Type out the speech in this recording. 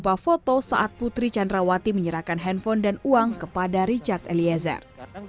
berupa foto saat putri candrawati menyerahkan handphone dan uang kepada richard eliezer